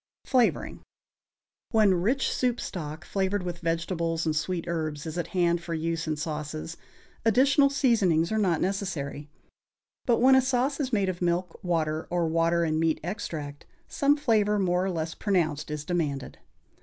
=Flavoring.= When rich soup stock, flavored with vegetables and sweet herbs, is at hand for use in sauces, additional seasonings are not necessary; but when a sauce is made of milk, water, or water and meat extract, some flavor more or less pronounced is demanded.